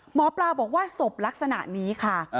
หมอปลาบอกว่าศพลักษณะนี้ค่ะ